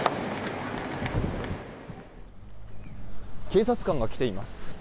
警察官が来ています。